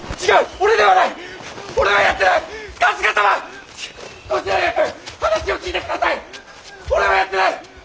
俺はやってない！